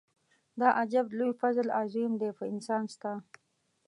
دا عجب لوی فضل عظيم دی په انسان ستا.